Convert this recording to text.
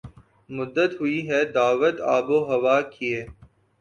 مدت ہوئی ہے دعوت آب و ہوا کیے